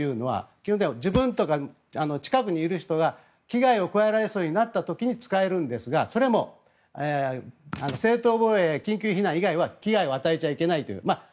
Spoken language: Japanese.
基本的には自分とか近くにいる人が危害を加えられそうになった時に使えるんですがそれも正当防衛、緊急避難以外は危害を与えちゃいけないという。